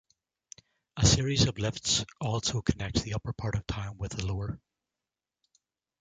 A series of lifts also connects the upper part of town with the lower.